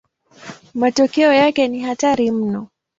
Matokeo yake ni hatari mno.